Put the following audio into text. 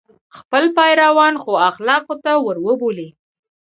خپل پیروان ښو اخلاقو ته وروبولي.